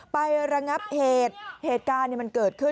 ระงับเหตุเหตุการณ์มันเกิดขึ้น